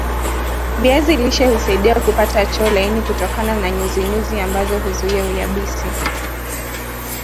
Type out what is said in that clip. viazi lishe husaidia kupata choo laini kutokana na nyuzinyuzi ambazo huzuia uyabisi